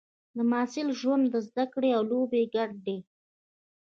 د محصل ژوند د زده کړې او لوبو ګډ دی.